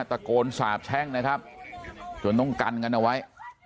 ตะโกนสาบแช่งนะครับจนต้องกันกันเอาไว้